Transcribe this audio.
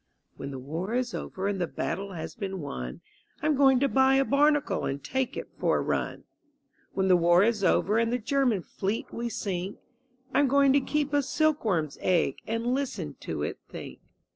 _When the War is over and the battle has been won, I'm going to buy a barnacle and take it for a run; When the War is over and the German Fleet we sink, I'm going to keep a silk worm's egg and listen to it think.